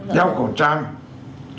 giao khẩu trang